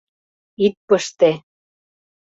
ит пыште!»